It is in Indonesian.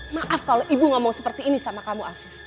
maaf kalau ibu ngomong seperti ini sama kamu afif